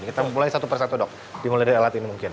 kita mulai satu persatu dok dimulai dari alat ini mungkin